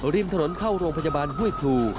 ริมถนนเข้าโรงพยาบาลห้วยพลู